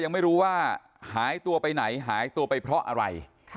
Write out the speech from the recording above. ยังไม่รู้ว่าหายตัวไปไหนหายตัวไปเพราะอะไร